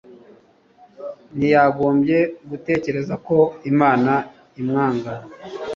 ntiyagombye gutekereza ko imana imwanga